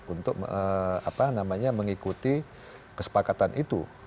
untuk apa namanya mengikuti kesepakatan itu